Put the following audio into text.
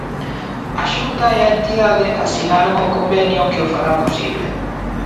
A Xunta e a entidade asinaron o convenio que o fará posible.